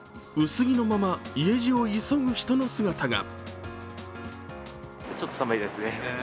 薄着のまま家路を急ぐ人の姿が。